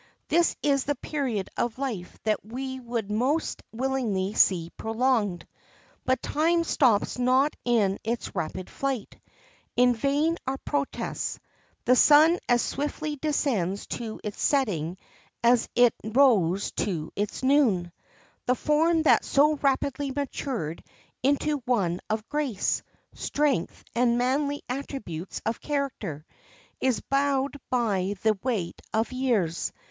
This is the period of life that we would most willingly see prolonged. But time stops not in his rapid flight. In vain our protests. The sun as swiftly descends to its setting as it rose to its noon. The form that so rapidly matured into one of grace, strength, and manly attributes of character, is bowed by the weight of years.